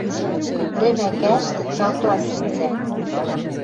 Рӹмӓкӓштӹ цакла сӹнзӓ, —